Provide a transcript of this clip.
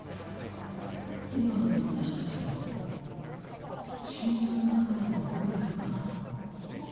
今の私たちを死んだ仲間に誇れるかな。